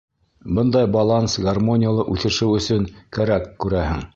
Бындай баланс гармониялы үҫешеү өсөн кәрәк, күрәһең.